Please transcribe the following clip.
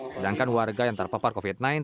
sedangkan warga yang terpapar covid sembilan belas